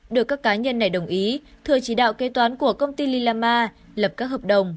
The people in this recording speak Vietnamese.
được các cá nhân này đồng ý thừa chỉ đạo kê toán của công ty lillama lập các hợp đồng